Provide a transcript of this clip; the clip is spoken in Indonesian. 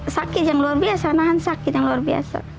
sakit yang luar biasa nahan sakit yang luar biasa